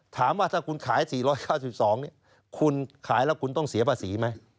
ถามว่าถ้าคุณขาย๔๙๒คุณขายแล้วคุณต้องเสียภาษีไหม